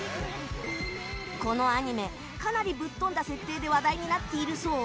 このアニメかなりぶっ飛んだ設定で話題になっているそう。